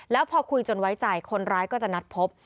แล้วพอคุยจนไว้ใจคนร้ายก็จะนัดพบ